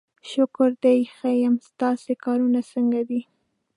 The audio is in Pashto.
شکر دی ښه یم، ستاسې کارونه څنګه دي؟